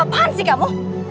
apa apaan sih kamu